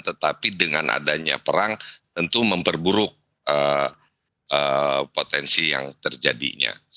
tetapi dengan adanya perang tentu memperburuk potensi yang terjadinya